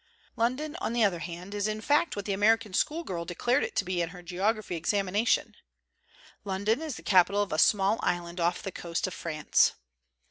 London, on the other hand, is in fact what the American school girl declared it to be in her geography examina tion; London is "the capital of a small island off the coast of France."